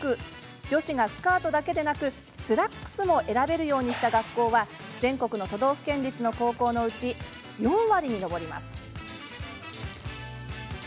女子がスカートだけでなくスラックスも選べるようにした学校は全国の都道府県立の高校のうち４割に上ります。